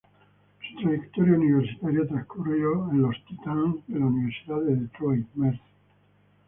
Su trayectoria universitaria transcurrió en los "Titans" de la Universidad de Detroit Mercy.